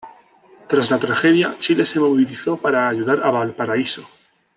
Tras la tragedia, Chile se movilizó para ayudar a Valparaíso.